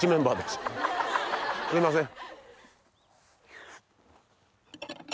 すいません。